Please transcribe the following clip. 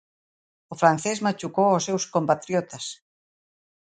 O francés machucou os seus compatriotas.